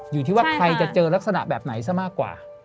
อยู่ที่ว่าใครจะเจอลักษณะแบบไหนซะมากกว่า